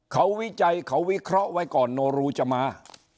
เขาวิจัยเขาวิเคราะห์ไว้ก่อนโนรูจะมา